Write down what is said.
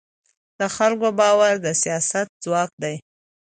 د خلکو باور د سیاست ځواک دی